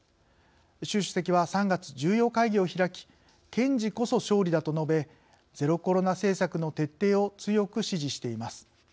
習主席は３月、重要会議を開き「堅持こそ勝利だ」と述べゼロコロナ政策の徹底を強く指示しています。